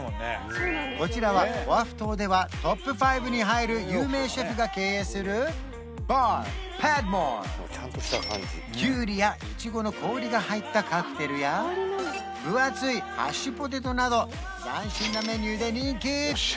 こちらはオアフ島ではトップ５に入る有名シェフが経営するバーパドモアキュウリやイチゴの氷が入ったカクテルや分厚いハッシュポテトなど斬新なメニューで人気！